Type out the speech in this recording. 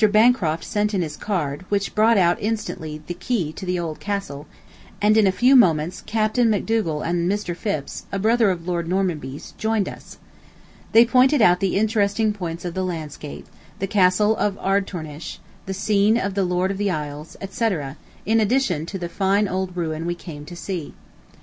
Bancroft sent in his card, which brought out instantly the key to the old castle, and in a few moments Capt. MacDougal and Mr. Phipps, a brother of Lord Normanby's, joined us. They pointed out the interesting points in the landscape, the Castle of Ardtornish, the scene of Lord of the Isles, etc., in addition to the fine old ruin we came to see.